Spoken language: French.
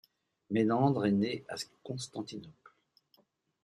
Ménandre est né à Constantinople.